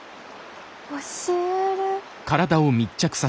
教える？